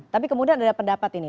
tapi kemudian ada pendapat ini